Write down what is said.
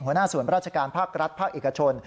หัวหน้าส่วนราชการภาครัฐภาคเอกชน